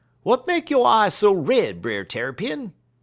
'W'at make yo' eye so red, Brer Tarrypin?'